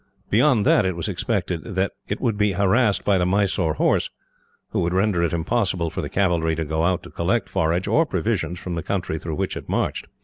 Beyond that, it was expected that it would be harassed by the Mysore horse, who would render it impossible for the cavalry to go out to collect forage, or provisions, from the country through which it marched.